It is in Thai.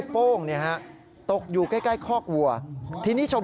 สายลูกไว้อย่าใส่